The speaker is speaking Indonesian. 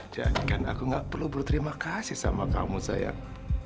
jadikan aku gak perlu berterima kasih sama kamu sayang